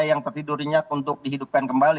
yang tertidur rinyak untuk dihidupkan kembali